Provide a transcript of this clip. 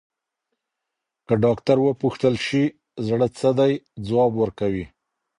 که ډاکټر وپوښتل شي، زړه څه دی، ځواب ورکوي.